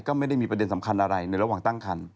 ก็ไม่ได้มีประเด็นสำคัญอะไรในระหว่างตั้งคัน